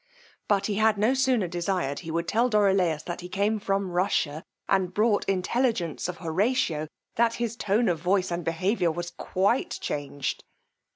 But he had no sooner desired he would tell Dorilaus that he came from Russia, and brought intelligence of Horatio, than his tone of voice and behaviour was quite changed.